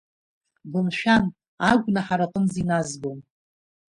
Бымшәан, агәнаҳара аҟынӡа иназгом!